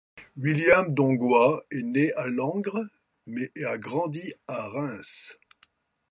William Dongois est né à Langres mais a grandi à Reims.